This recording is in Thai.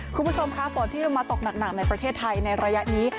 คุณผู้ชมค่ะฝนที่ลงมาตกหนักในประเทศไทยในระยะนี้